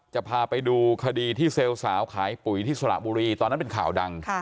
จะพาไปดูคดีที่เซลล์สาวขายปุ๋ยที่สระบุรีตอนนั้นเป็นข่าวดัง